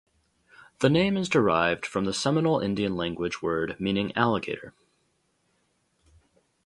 The name is derived from the Seminole Indian language word meaning "alligator".